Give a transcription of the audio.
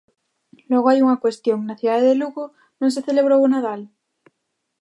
Logo hai unha cuestión: na cidade de Lugo non se celebrou o Nadal?